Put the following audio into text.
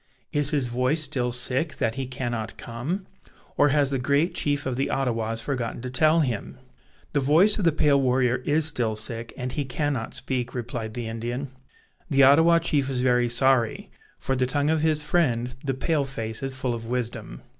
Is his voice still sick, that he cannot come? or has the great chief of the Ottawas forgotten to tell him?" "The voice of the pale warrior is still sick, and he cannot speak," replied the Indian. "The Ottawa chief is very sorry; for the tongue of his friend, the pale face, is full of wisdom."